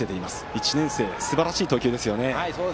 １年生、すばらしい投球ですよね。